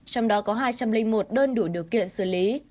trong đó có hai trăm linh một đơn đủ điều kiện xử lý